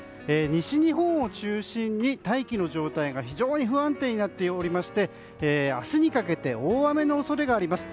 西日本を中心に大気の状態が非常に不安定になっておりまして明日にかけて大雨の恐れがあります。